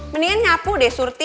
mendingan nyapu deh surdi